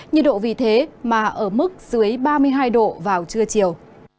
nhiệt độ vì thế mà ở mức dưới ba mươi hai độ vào trưa chiều